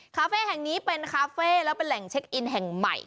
คาเฟ่แห่งนี้เป็นคาเฟ่และเป็นแหล่งเช็คอินแห่งใหม่